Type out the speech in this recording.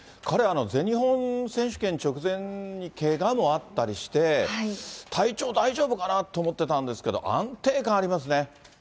彼、全日本選手権直前にけがもあったりして、体調大丈夫かなと思ってたんですけど、安定感ありますね。